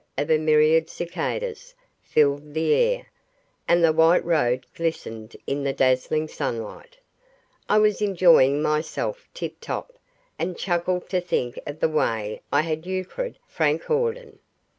of a myriad cicadas filled the air, and the white road glistened in the dazzling sunlight. I was enjoying myself tip top, and chuckled to think of the way I had euchred Frank Hawden.